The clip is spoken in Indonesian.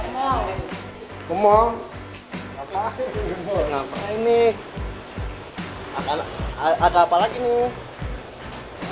mau mau apa ini akan ada apa lagi nih